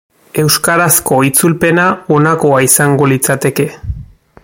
Euskarazko itzulpena honakoa izango litzateke.